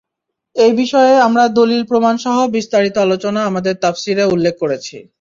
এ বিষয়ে আমরা দলীল-প্রমাণসহ বিস্তারিত আলোচনা আমাদের তাফসীরে উল্লেখ করেছি।